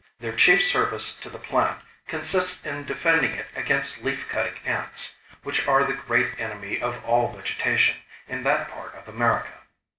Their chief service to the plant consists in defending it against leaf cutting ants, which are the great enemy of all vegetation in that part of America.